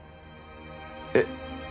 えっ。